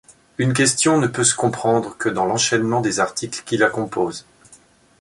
Une question ne peut se comprendre que dans l'enchaînement des articles qui la composent.